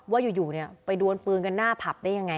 ว่าอยู่เนี่ยไปดวนปืนกันหน้าผับได้ยังไง